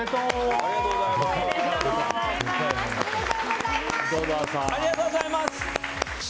ありがとうございます。